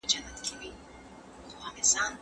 ته ولې له دې خبر خوشحاله نشوې؟